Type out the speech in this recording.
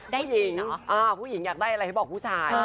ได้สิ่งเหรอฮือผู้หญิงอยากได้อะไรแบบให้บอกผู้ชาย